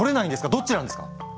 どっちなんですか！